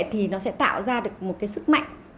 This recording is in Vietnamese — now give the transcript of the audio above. thì nó sẽ tạo ra được một cái sức mạnh